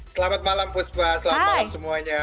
selamat malam puspa selamat malam semuanya